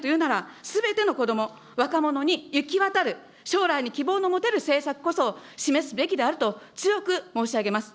異次元というなら、すべての子ども、若者に行き渡る、将来に希望の持てる政策こそ示すべきであると強く申し上げます。